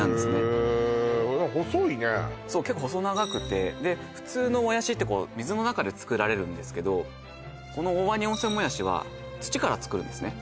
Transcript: へえ何か細いねそう結構細長くて普通のもやしってこう水の中で作られるんですけどこの大鰐温泉もやしは土から作るんですね